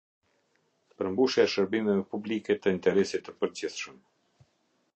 Përmbushja e shërbimeve publike të interesit të përgjithshëm.